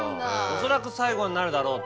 恐らく最後になるだろうと。